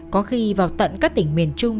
có khi vào tận các tỉnh miền trung